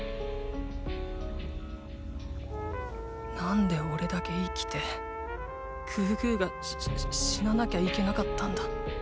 なんでおれだけ生きてグーグーが死ななきゃいけなかったんだ？